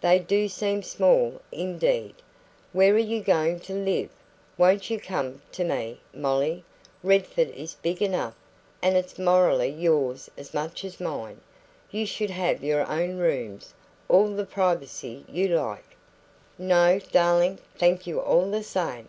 "They do seem small, indeed. Where are you going to live? Won't you come to me, Molly? Redford is big enough, and it's morally yours as much as mine. You should have your own rooms all the privacy you like " "No, darling thank you all the same.